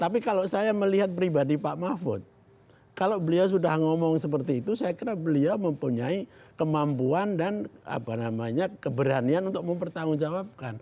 tapi kalau saya melihat pribadi pak mahfud kalau beliau sudah ngomong seperti itu saya kira beliau mempunyai kemampuan dan keberanian untuk mempertanggungjawabkan